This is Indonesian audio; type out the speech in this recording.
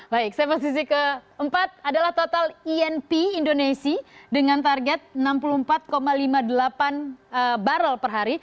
baik saya posisi keempat adalah total inp indonesia dengan target enam puluh empat lima puluh delapan barrel per hari